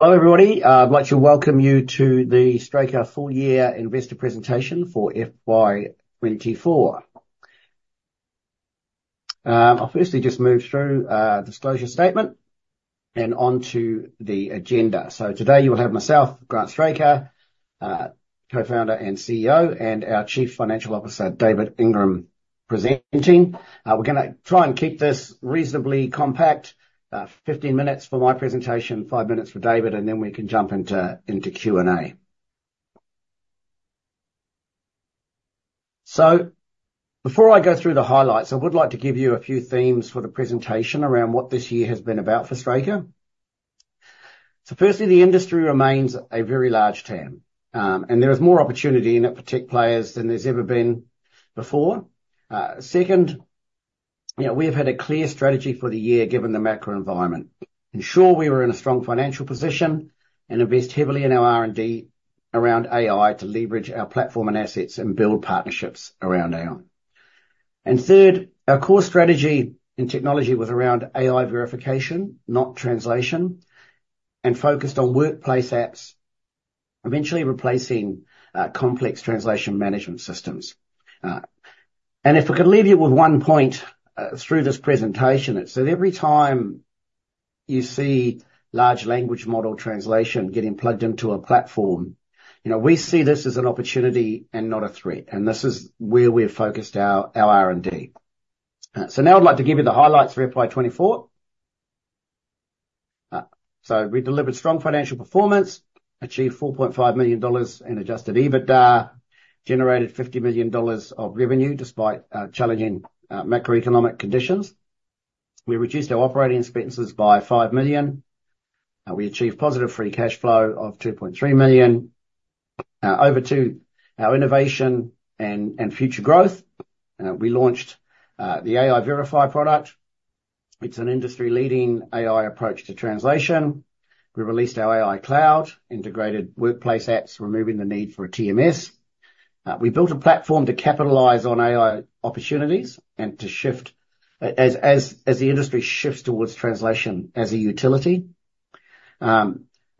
Hello, everybody. I'd like to welcome you to the Straker full year investor presentation for FY 2024. I'll firstly just move through a disclosure statement and onto the agenda. So today you will have myself, Grant Straker, Co-Founder and CEO, and our Chief Financial Officer, David Ingram, presenting. We're gonna try and keep this reasonably compact, 15 minutes for my presentation, 5 minutes for David, and then we can jump into Q&A. So before I go through the highlights, I would like to give you a few themes for the presentation around what this year has been about for Straker. So firstly, the industry remains a very large TAM, and there is more opportunity in it for tech players than there's ever been before. Second, you know, we've had a clear strategy for the year, given the macro environment. Ensure we were in a strong financial position, and invest heavily in our R&D around AI to leverage our platform and assets and build partnerships around AI. And third, our core strategy in technology was around AI verification, not translation, and focused on workplace apps, eventually replacing complex translation management systems. And if we could leave you with one point, through this presentation, it's that every time you see large language model translation getting plugged into a platform, you know, we see this as an opportunity and not a threat, and this is where we've focused our R&D. So now I'd like to give you the highlights for FY 2024. So we delivered strong financial performance, achieved $4.5 million in Adjusted EBITDA, generated $50 million of revenue, despite challenging macroeconomic conditions. We reduced our operating expenses by 5 million, we achieved positive free cash flow of 2.3 million. Over to our innovation and future growth. We launched the AI Verify product. It's an industry-leading AI approach to translation. We released our AI Cloud, integrated workplace apps, removing the need for a TMS. We built a platform to capitalize on AI opportunities and to shift, as the industry shifts towards translation as a utility.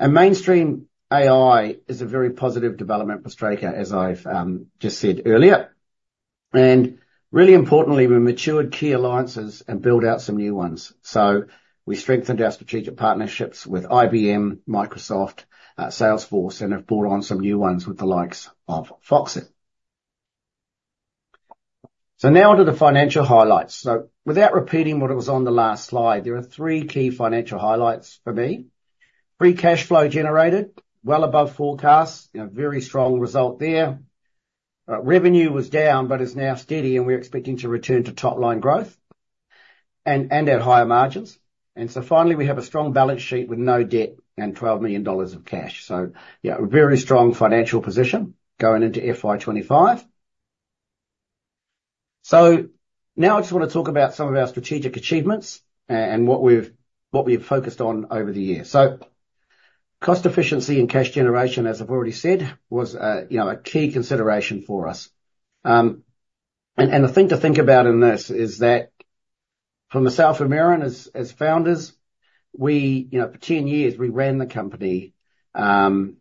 Mainstream AI is a very positive development for Straker, as I've just said earlier. Really importantly, we matured key alliances and built out some new ones. We strengthened our strategic partnerships with IBM, Microsoft, Salesforce, and have brought on some new ones with the likes of Foxit. Now onto the financial highlights. So without repeating what it was on the last slide, there are three key financial highlights for me. Free cash flow generated, well above forecast, you know, very strong result there. Revenue was down but is now steady, and we're expecting to return to top-line growth and at higher margins. So finally, we have a strong balance sheet with no debt and 12 million dollars of cash. So yeah, a very strong financial position going into FY 2025. So now I just wanna talk about some of our strategic achievements and what we've focused on over the years. So cost efficiency and cash generation, as I've already said, was, you know, a key consideration for us. And the thing to think about in this is that from myself and Merryn, as founders, we, you know, for 10 years, we ran the company by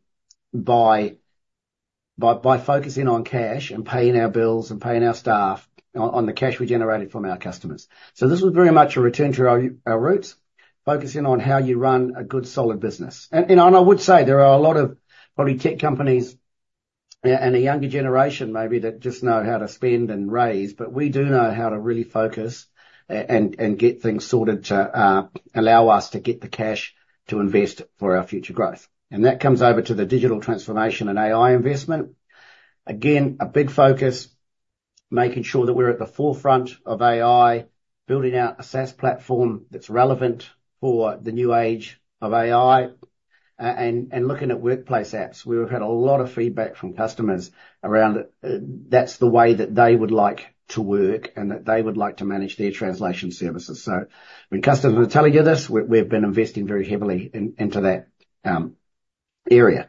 focusing on cash and paying our bills and paying our staff on the cash we generated from our customers. So this was very much a return to our roots, focusing on how you run a good, solid business. And I would say there are a lot of probably tech companies and a younger generation maybe, that just know how to spend and raise, but we do know how to really focus and get things sorted to allow us to get the cash to invest for our future growth. And that comes over to the digital transformation and AI investment. Again, a big focus, making sure that we're at the forefront of AI, building out a SaaS platform that's relevant for the new age of AI, and looking at workplace apps, where we've had a lot of feedback from customers around, that's the way that they would like to work, and that they would like to manage their translation services. So when customers are telling you this, we've been investing very heavily into that area.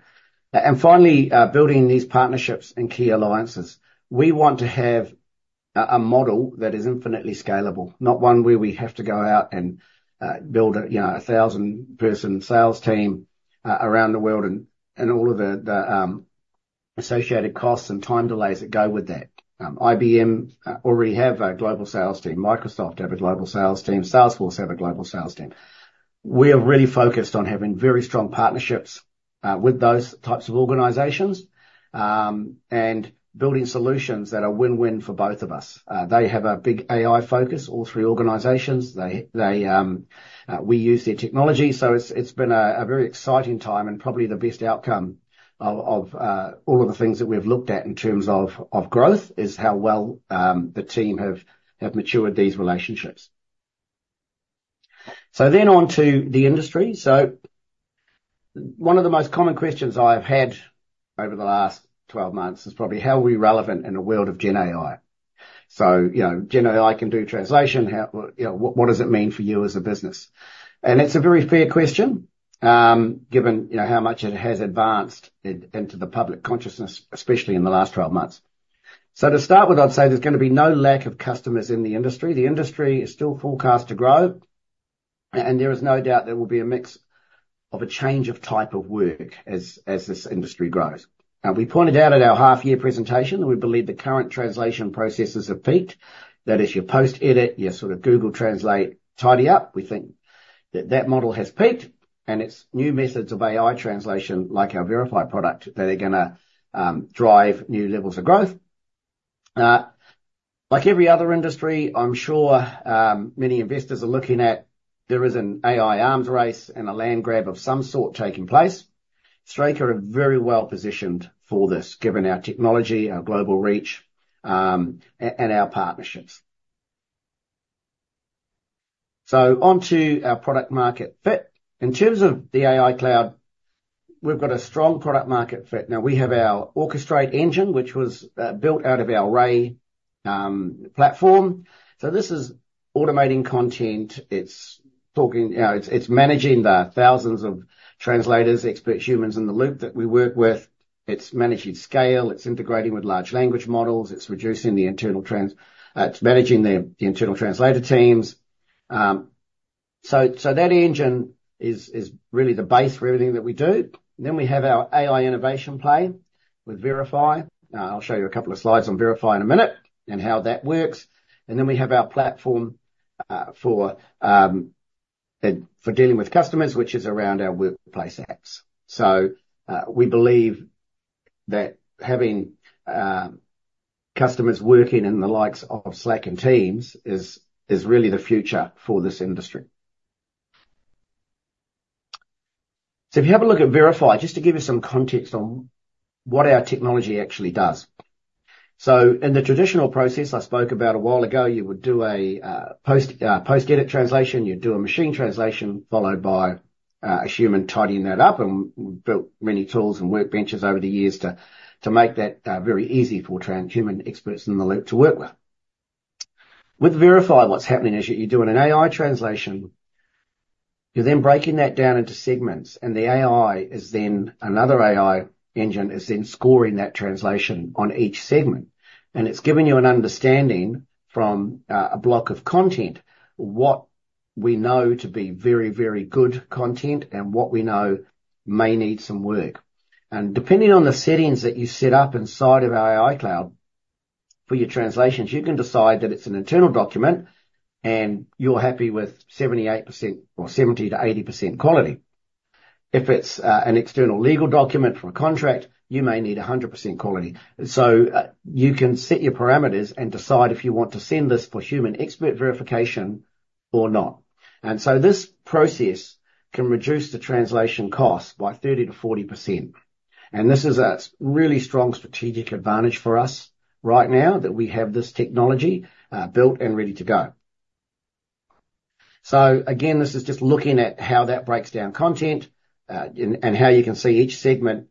And finally, building these partnerships and key alliances. We want to have a model that is infinitely scalable, not one where we have to go out and build, you know, a thousand-person sales team around the world and all of the associated costs and time delays that go with that. IBM already have a global sales team, Microsoft have a global sales team, Salesforce have a global sales team. We are really focused on having very strong partnerships with those types of organizations and building solutions that are win-win for both of us. They have a big AI focus, all three organizations. We use their technology, so it's been a very exciting time and probably the best outcome of all of the things that we've looked at in terms of growth is how well the team have matured these relationships. So then on to the industry. So one of the most common questions I've had over the last 12 months is probably: How are we relevant in the world of GenAI? So, you know, GenAI can do translation, how, you know, what, what does it mean for you as a business? And it's a very fair question, given, you know, how much it has advanced into the public consciousness, especially in the last 12 months. So to start with, I'd say there's going to be no lack of customers in the industry. The industry is still forecast to grow, and there is no doubt there will be a mix of a change of type of work as this industry grows. Now, we pointed out at our half-year presentation that we believe the current translation processes have peaked. That is, your post-edit, your sort of Google Translate tidy up. We think that that model has peaked, and it's new methods of AI translation, like our Verify product, that are gonna drive new levels of growth. Like every other industry, I'm sure, many investors are looking at, there is an AI arms race and a land grab of some sort taking place. Straker are very well positioned for this, given our technology, our global reach, and our partnerships. So on to our product-market fit. In terms of the AI Cloud, we've got a strong product-market fit. Now, we have our Orchestrate engine, which was built out of our RAY platform. So this is automating content. It's managing the thousands of translators, expert humans in the loop that we work with. It's managing scale, it's integrating with large language models, it's managing the internal translator teams. So that engine is really the base for everything that we do. Then we have our AI innovation play with Verify. I'll show you a couple of slides on Verify in a minute, and how that works. And then we have our platform for dealing with customers, which is around our workplace apps. So, we believe that having customers working in the likes of Slack and Teams is really the future for this industry. So if you have a look at Verify, just to give you some context on what our technology actually does. So in the traditional process I spoke about a while ago, you would do a post-edit translation. You'd do a machine translation, followed by a human tidying that up, and we've built many tools and workbenches over the years to make that very easy for human experts in the loop to work with. With Verify, what's happening is you're doing an AI translation, you're then breaking that down into segments, and the AI is then... Another AI engine, is then scoring that translation on each segment. And it's giving you an understanding from a block of content, what we know to be very, very good content, and what we know may need some work. And depending on the settings that you set up inside of our AI Cloud for your translations, you can decide that it's an internal document, and you're happy with 78% or 70%-80% quality. If it's an external legal document from a contract, you may need 100% quality. So, you can set your parameters and decide if you want to send this for human expert verification or not. And so this process can reduce the translation costs by 30%-40%, and this is a really strong strategic advantage for us right now, that we have this technology built and ready to go. So again, this is just looking at how that breaks down content, and how you can see each segment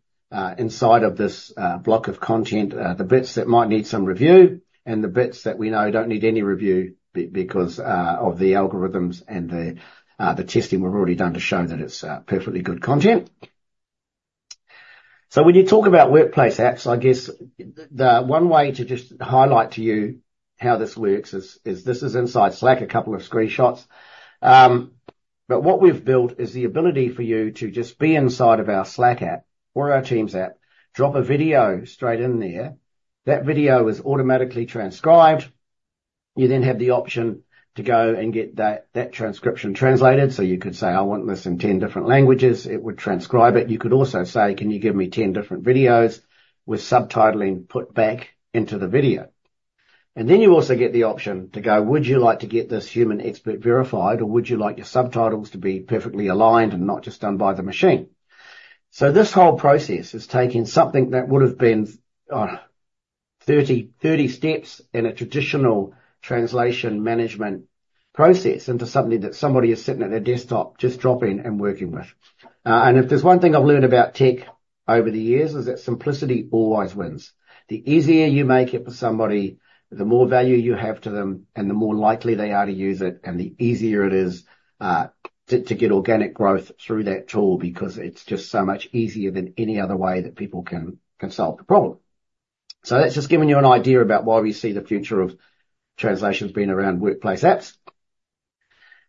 inside of this block of content. The bits that might need some review, and the bits that we know don't need any review, because of the algorithms and the testing we've already done to show that it's perfectly good content. So when you talk about workplace apps, I guess the one way to just highlight to you how this works is this is inside Slack, a couple of screenshots. But what we've built is the ability for you to just be inside of our Slack app or our Teams app, drop a video straight in there. That video is automatically transcribed. You then have the option to go and get that transcription translated. So you could say, "I want this in 10 different languages." It would transcribe it. You could also say, "Can you give me 10 different videos with subtitling put back into the video?" And then you also get the option to go: Would you like to get this human expert verified, or would you like your subtitles to be perfectly aligned and not just done by the machine? So this whole process has taken something that would have been 30 steps in a traditional translation management process, into something that somebody is sitting at their desktop, just dropping and working with. And if there's one thing I've learned about tech over the years, is that simplicity always wins. The easier you make it for somebody, the more value you have to them, and the more likely they are to use it, and the easier it is to get organic growth through that tool, because it's just so much easier than any other way that people can solve the problem. So that's just giving you an idea about why we see the future of translations being around workplace apps.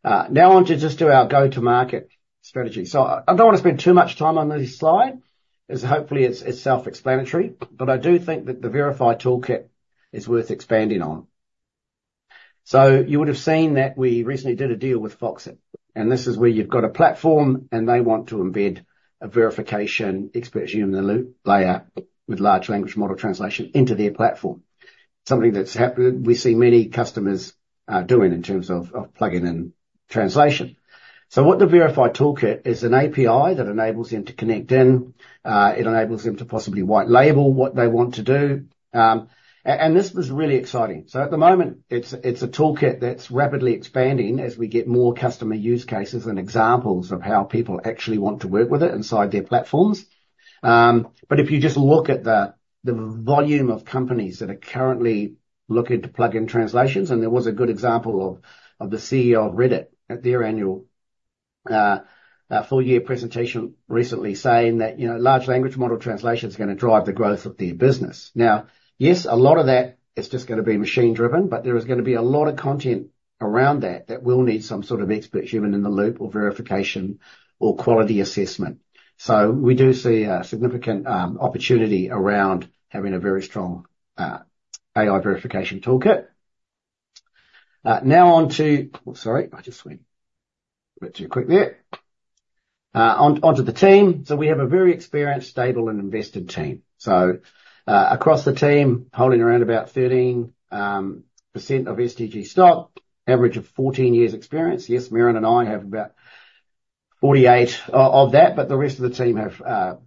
Now on to just do our go-to-market strategy. So I don't want to spend too much time on this slide, as hopefully it's self-explanatory, but I do think that the Verify Toolkit is worth expanding on. So you would have seen that we recently did a deal with Foxit, and this is where you've got a platform, and they want to embed a verification expert, Human in the Loop layer, with Large Language Model translation into their platform. Something that's we see many customers doing in terms of, of plugging in translation. So what the Verify Toolkit is an API that enables them to connect in, it enables them to possibly white label what they want to do. And this was really exciting. So at the moment, it's a toolkit that's rapidly expanding as we get more customer use cases and examples of how people actually want to work with it inside their platforms. But if you just look at the volume of companies that are currently looking to plug in translations, and there was a good example of the CEO of Reddit at their full year presentation recently saying that, you know, large language model translation is going to drive the growth of their business. Now, yes, a lot of that is just going to be machine driven, but there is going to be a lot of content around that that will need some sort of expert human in the loop, or verification, or quality assessment. So we do see a significant opportunity around having a very strong AI verification toolkit. Now on to... Sorry, I just went a bit too quick there. On to the team. So we have a very experienced, stable, and invested team. So, across the team, holding around about 13% of STG stock, average of 14 years experience. Yes, Merryn and I have about 48 of that, but the rest of the team have a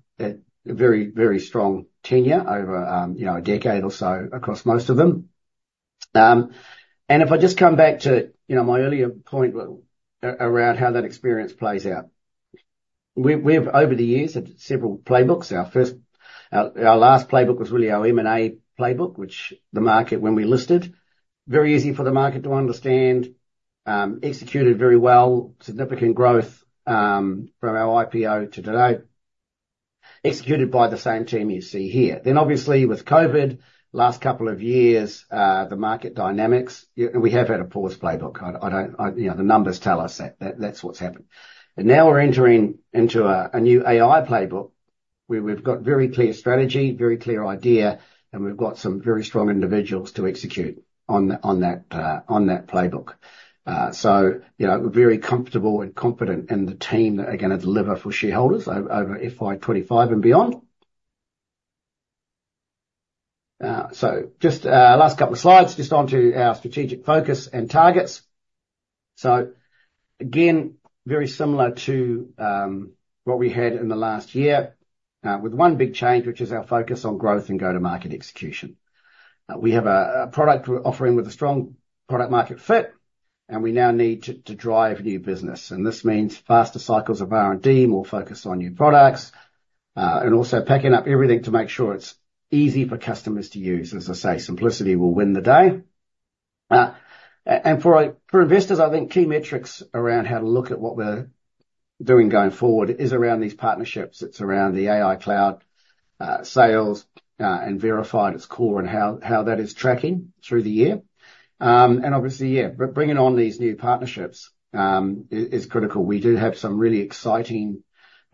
very, very strong tenure over, you know, a decade or so across most of them. And if I just come back to, you know, my earlier point around how that experience plays out. We've over the years had several playbooks. Our last playbook was really our M&A playbook, which the market, when we listed, very easy for the market to understand, executed very well, significant growth from our IPO to today. Executed by the same team you see here. Then obviously, with COVID, last couple of years, the market dynamics, and we have had a pause playbook. I don't, I... You know, the numbers tell us that, that's what's happened. And now we're entering into a new AI playbook, where we've got very clear strategy, very clear idea, and we've got some very strong individuals to execute on that playbook. So, you know, we're very comfortable and confident in the team that are going to deliver for shareholders over FY 25 and beyond. So just, last couple of slides, just onto our strategic focus and targets. So again, very similar to what we had in the last year, with one big change, which is our focus on growth and go-to-market execution. We have a product we're offering with a strong product market fit, and we now need to drive new business. This means faster cycles of R&D, more focus on new products, and also packing up everything to make sure it's easy for customers to use. As I say, simplicity will win the day. And for investors, I think key metrics around how to look at what we're doing going forward is around these partnerships. It's around the AI Cloud sales and Verify, it's core and how that is tracking through the year. And obviously, bringing on these new partnerships is critical. We do have some really exciting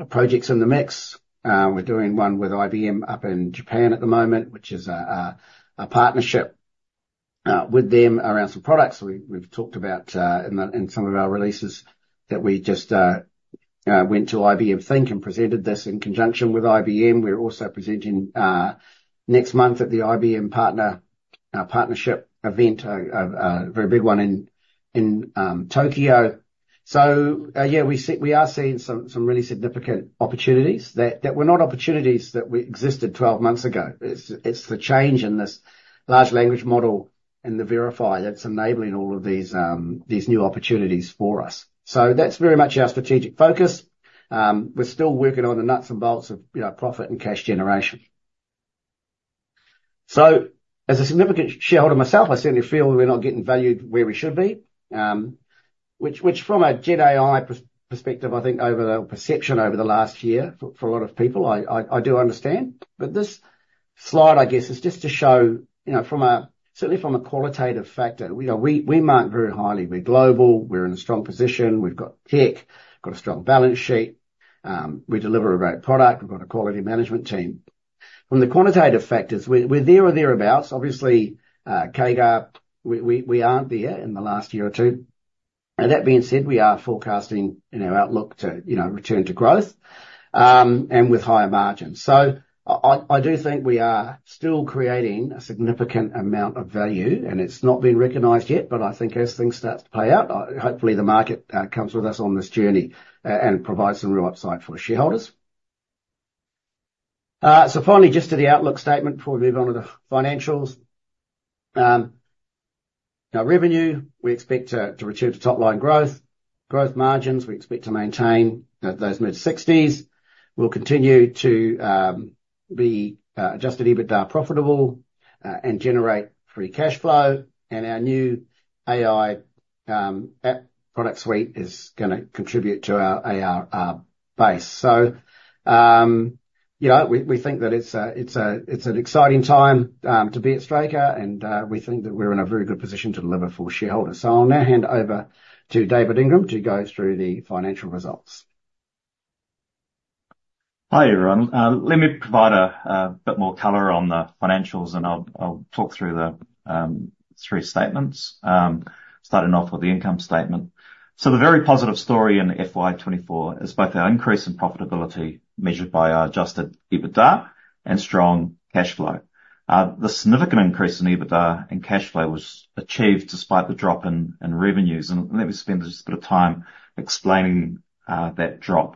projects in the mix. We're doing one with IBM up in Japan at the moment, which is a partnership with them around some products. We've talked about in some of our releases that we just went to IBM Think and presented this in conjunction with IBM. We're also presenting next month at the IBM Partner partnership event, a very big one in Tokyo. So yeah, we are seeing some really significant opportunities that were not opportunities that we existed 12 months ago. It's the change in this large language model and the Verify that's enabling all of these new opportunities for us. So that's very much our strategic focus. We're still working on the nuts and bolts of, you know, profit and cash generation. So as a significant shareholder myself, I certainly feel we're not getting valued where we should be. Which from a GenAI perspective, I think the perception over the last year for a lot of people, I do understand. But this slide, I guess, is just to show, you know, certainly from a qualitative factor, you know, we mark very highly. We're global, we're in a strong position, we've got tech, got a strong balance sheet, we deliver a great product, we've got a quality management team. From the quantitative factors, we're there or thereabouts. Obviously, CAGR, we aren't there in the last year or two. And that being said, we are forecasting in our outlook to, you know, return to growth, and with higher margins. I do think we are still creating a significant amount of value, and it's not been recognized yet, but I think as things start to play out, hopefully, the market comes with us on this journey and provides some real upside for shareholders. So finally, just to the outlook statement before we move on to the financials. Our revenue, we expect to return to top line growth. Gross margins, we expect to maintain those mid-60s%. We'll continue to be Adjusted EBITDA profitable and generate free cash flow. And our new AI app product suite is gonna contribute to our AR base. So, you know, we think that it's an exciting time to be at Straker, and we think that we're in a very good position to deliver for shareholders. I'll now hand over to David Ingram to go through the financial results. Hi, everyone. Let me provide a bit more color on the financials, and I'll talk through the three statements. Starting off with the income statement. So the very positive story in FY 2024 is both our increase in profitability, measured by our Adjusted EBITDA and strong cash flow. The significant increase in EBITDA and cash flow was achieved despite the drop in revenues. And let me spend just a bit of time explaining that drop.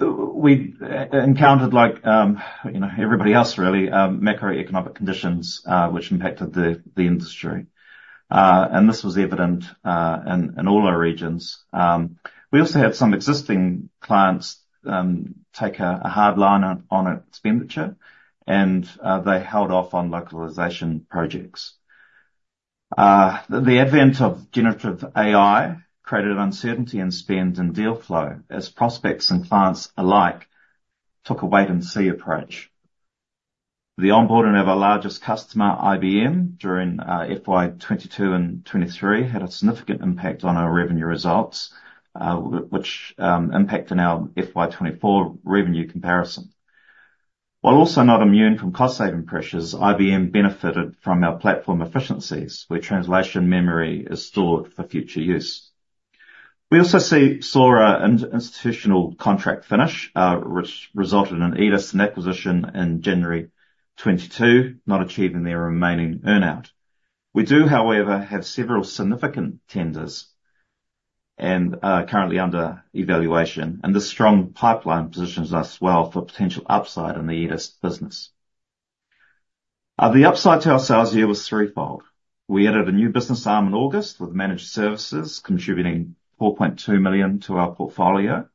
We encountered like, you know, everybody else really, macroeconomic conditions, which impacted the industry. And this was evident in all our regions. We also had some existing clients take a hard line on expenditure, and they held off on localization projects.... The advent of generative AI created uncertainty in spend and deal flow as prospects and clients alike took a wait and see approach. The onboarding of our largest customer, IBM, during FY 2022 and 2023, had a significant impact on our revenue results, which impacted our FY 2024 revenue comparison. While also not immune from cost saving pressures, IBM benefited from our platform efficiencies, where translation memory is stored for future use. We also saw our institutional contract finish, which resulted in IDEST acquisition in January 2022, not achieving their remaining earn-out. We do, however, have several significant tenders and currently under evaluation, and this strong pipeline positions us well for potential upside in the Edis business. The upside to our sales year was threefold. We added a new business arm in August with managed services, contributing 4.2 million to our portfolio.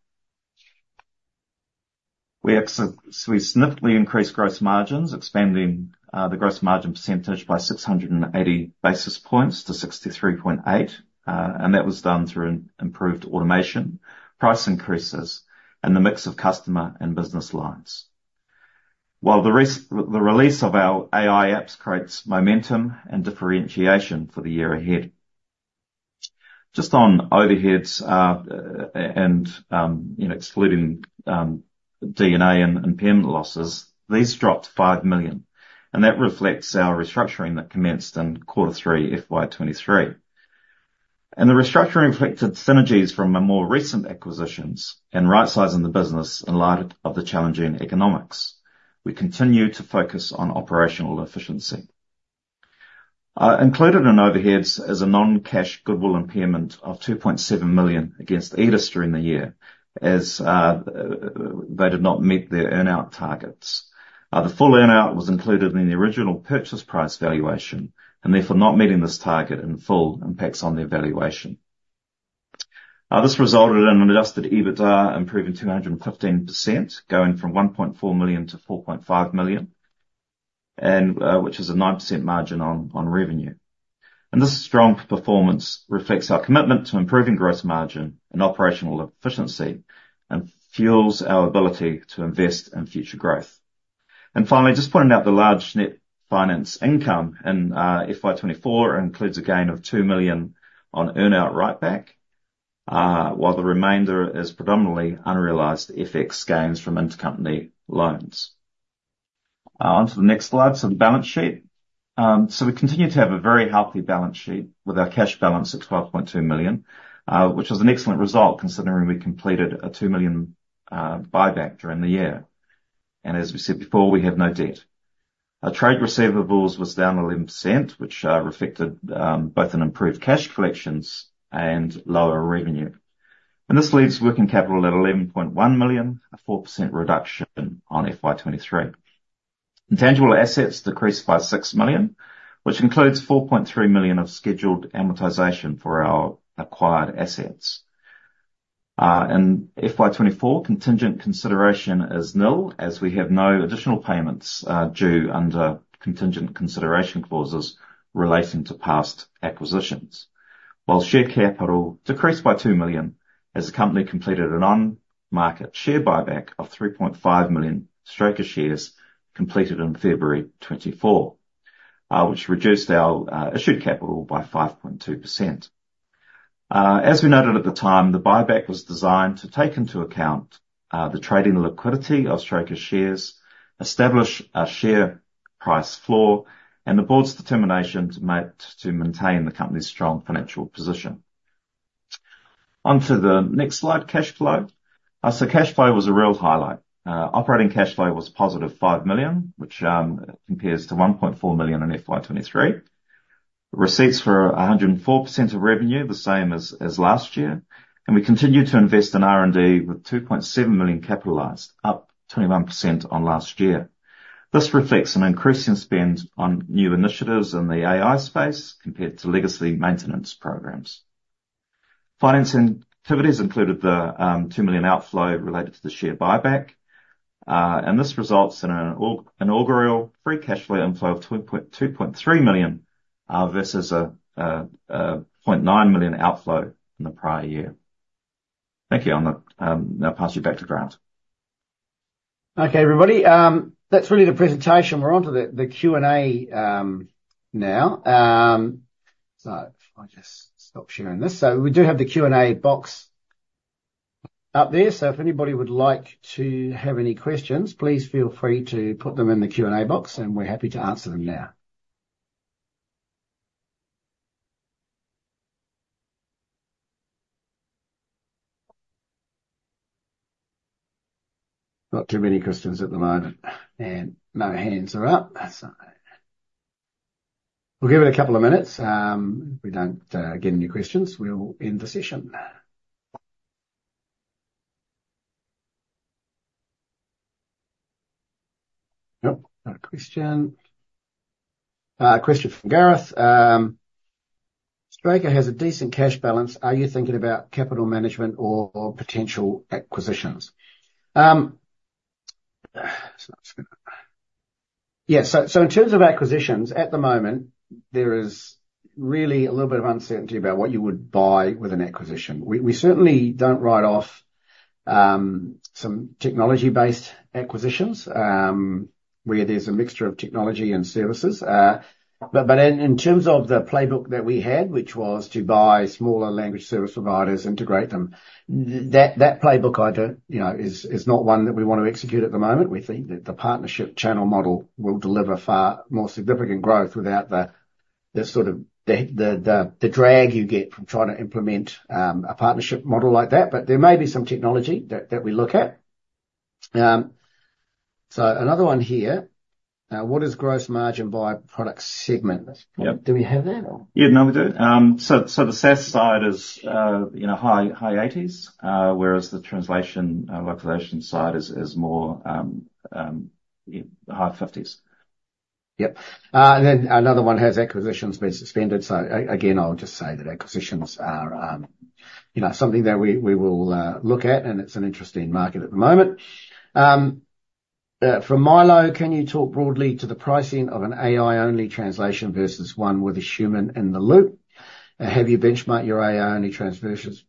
We significantly increased gross margins, expanding the gross margin percentage by 680 basis points to 63.8%. And that was done through an improved automation, price increases and the mix of customer and business lines. While the release of our AI apps creates momentum and differentiation for the year ahead. Just on overheads, and you know, excluding D&A and impairment losses, these dropped 5 million, and that reflects our restructuring that commenced in quarter three, FY 2023. The restructuring reflected synergies from our more recent acquisitions and rightsizing the business in light of the challenging economics. We continue to focus on operational efficiency. Included in overheads is a non-cash goodwill impairment of 2.7 million against IDEST during the year, as they did not meet their earn-out targets. The full earn-out was included in the original purchase price valuation, and therefore not meeting this target in full impacts on their valuation. This resulted in an Adjusted EBITDA, improving 215%, going from 1.4 million to 4.5 million, which is a 9% margin on revenue. This strong performance reflects our commitment to improving gross margin and operational efficiency, and fuels our ability to invest in future growth. Finally, just pointing out the large net finance income in FY 2024 includes a gain of 2 million on earn-out writeback, while the remainder is predominantly unrealized FX gains from intercompany loans. On to the next slide, so the balance sheet. We continue to have a very healthy balance sheet with our cash balance at 12.2 million, which is an excellent result considering we completed a 2 million buyback during the year. As we said before, we have no debt. Our trade receivables was down 11%, which reflected both an improved cash collections and lower revenue. This leaves working capital at 11.1 million, a 4% reduction on FY 2023. Intangible assets decreased by 6 million, which includes 4.3 million of scheduled amortization for our acquired assets. In FY 2024, contingent consideration is nil, as we have no additional payments due under contingent consideration clauses relating to past acquisitions. While share capital decreased by 2 million, as the company completed an on-market share buyback of 3.5 million Straker shares, completed in February 2024. Which reduced our issued capital by 5.2%. As we noted at the time, the buyback was designed to take into account the trading liquidity of Straker shares, establish a share price floor, and the board's determination to maintain the company's strong financial position. On to the next slide, cash flow. So cash flow was a real highlight. Operating cash flow was positive 5 million, which compares to 1.4 million in FY 2023. Receipts for 104% of revenue, the same as last year, and we continued to invest in R&D with 2.7 million capitalized, up 21% on last year. This reflects an increasing spend on new initiatives in the AI space compared to legacy maintenance programs. Finance and activities included the 2 million outflow related to the share buyback. And this results in an inaugural Free Cash Flow inflow of 2.3 million versus a 0.9 million outflow in the prior year. Thank you. I'm gonna now pass you back to Grant. Okay, everybody, that's really the presentation. We're onto the Q&A now. So if I just stop sharing this. So we do have the Q&A box up there, so if anybody would like to have any questions, please feel free to put them in the Q&A box, and we're happy to answer them now. Not too many questions at the moment, and no hands are up, so we'll give it a couple of minutes, if we don't get any questions, we'll end the session. Nope, no question. Question from Gareth. Straker has a decent cash balance. Are you thinking about capital management or potential acquisitions? Yeah, so in terms of acquisitions, at the moment, there is really a little bit of uncertainty about what you would buy with an acquisition. We certainly don't write off some technology-based acquisitions where there's a mixture of technology and services. But in terms of the playbook that we had, which was to buy smaller language service providers, integrate them, that playbook I don't, you know, is not one that we want to execute at the moment. We think that the partnership channel model will deliver far more significant growth without the sort of drag you get from trying to implement a partnership model like that. But there may be some technology that we look at. So another one here, "What is gross margin by product segment? Yep. Do we have that or? Yeah, no, we do. So the SaaS side is, you know, high eighties, whereas the translation localization side is more, yeah, high fifties. Yep. And then another one, "Has acquisitions been suspended?" So again, I'll just say that acquisitions are, you know, something that we, we will, look at, and it's an interesting market at the moment. From Milo: "Can you talk broadly to the pricing of an AI-only translation versus one with a human in the loop? Have you benchmarked your AI-only translations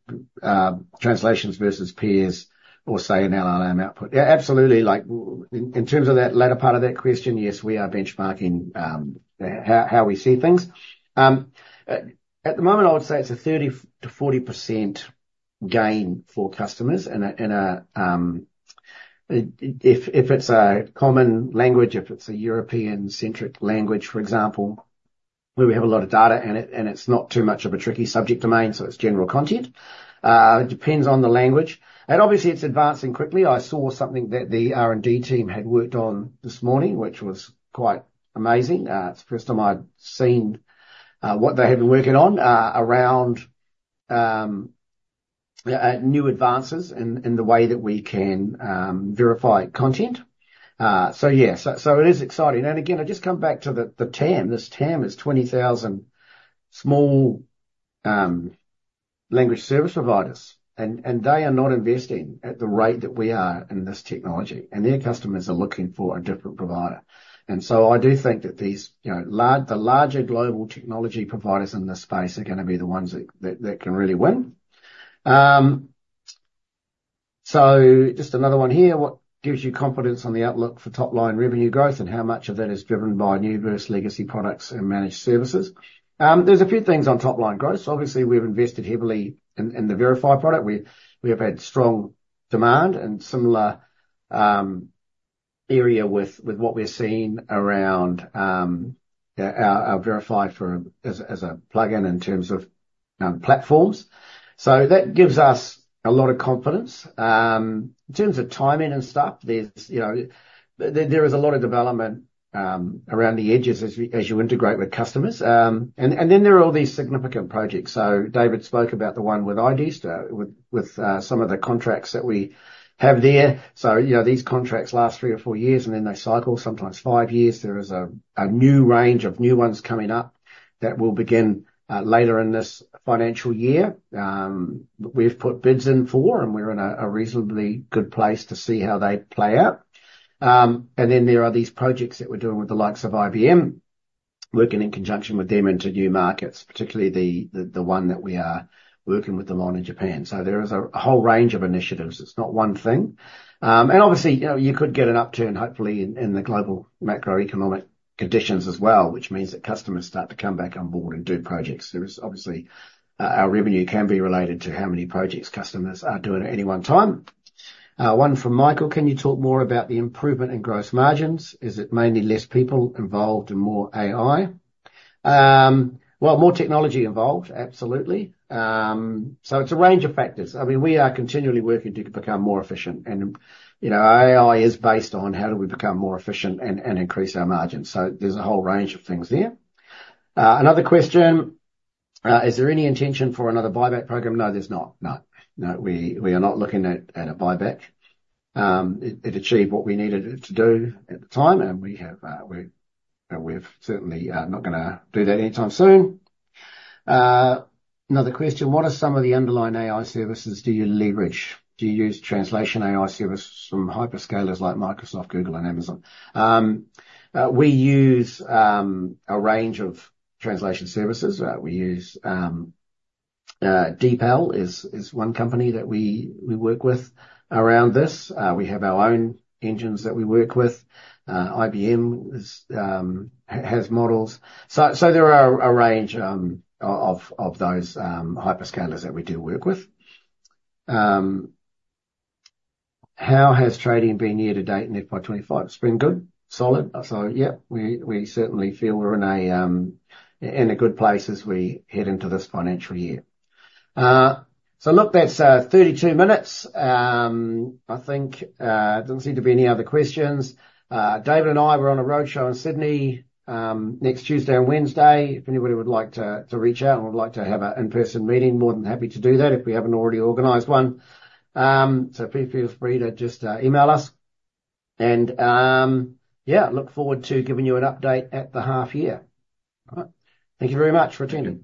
versus peers or, say, an LLM output?" Yeah, absolutely. Like, in, in terms of that latter part of that question, yes, we are benchmarking, how, how we see things. At the moment, I would say it's a 30%-40% gain for customers in a if it's a common language, if it's a European-centric language, for example, where we have a lot of data and it's not too much of a tricky subject domain, so it's general content. It depends on the language, and obviously, it's advancing quickly. I saw something that the R&D team had worked on this morning, which was quite amazing. It's the first time I'd seen what they had been working on around new advances in the way that we can verify content. So yeah, so it is exciting. And again, I just come back to the TAM. This TAM is 20,000 small language service providers, and they are not investing at the rate that we are in this technology, and their customers are looking for a different provider. And so I do think that these, you know, large... The larger global technology providers in this space are gonna be the ones that can really win. So just another one here: "What gives you confidence on the outlook for top-line revenue growth, and how much of that is driven by new versus legacy products and managed services?" There's a few things on top-line growth. So obviously, we've invested heavily in the Verify product. We have had strong demand and similar area with what we're seeing around our Verify as a plugin in terms of platforms. So that gives us a lot of confidence. In terms of timing and stuff, there's, you know, there, there is a lot of development, around the edges as you, as you integrate with customers. And then there are all these significant projects. So David spoke about the one with IDEST, with, with, some of the contracts that we have there. So, you know, these contracts last three or four years, and then they cycle, sometimes five years. There is a, a new range of new ones coming up that will begin, later in this financial year, we've put bids in for, and we're in a, a reasonably good place to see how they play out. And then there are these projects that we're doing with the likes of IBM, working in conjunction with them into new markets, particularly the one that we are working with them on in Japan. So there is a whole range of initiatives. It's not one thing. And obviously, you know, you could get an upturn, hopefully in the global macroeconomic conditions as well, which means that customers start to come back on board and do projects. There is obviously our revenue can be related to how many projects customers are doing at any one time. One from Michael: "Can you talk more about the improvement in gross margins? Is it mainly less people involved and more AI?" Well, more technology involved, absolutely. So it's a range of factors. I mean, we are continually working to become more efficient and, you know, AI is based on how do we become more efficient and increase our margins. So there's a whole range of things there. Another question: "Is there any intention for another buyback program?" No, there's not. No. No, we are not looking at a buyback. It achieved what we needed it to do at the time, and we're certainly not gonna do that anytime soon. Another question: "What are some of the underlying AI services do you leverage? Do you use translation AI services from hyperscalers like Microsoft, Google, and Amazon?" We use a range of translation services. We use DeepL is one company that we work with around this. We have our own engines that we work with. IBM has models. So there are a range of those hyperscalers that we do work with. "How has trading been year to date in FY 25?" It's been good. Solid. So yeah, we certainly feel we're in a good place as we head into this financial year. So look, that's 32 minutes. I think doesn't seem to be any other questions. David and I, we're on a roadshow in Sydney next Tuesday and Wednesday. If anybody would like to reach out and would like to have an in-person meeting, more than happy to do that, if we haven't already organized one. So please feel free to just email us. Yeah, look forward to giving you an update at the half year. All right. Thank you very much for attending.